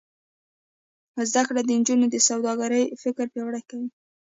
زده کړه د نجونو د سوداګرۍ فکر پیاوړی کوي.